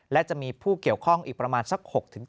และจะมีผู้เกี่ยวข้องอีกประมาณสัก๖๗